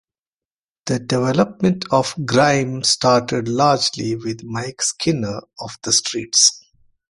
The development of Grime started largely with Mike Skinner of the Streets.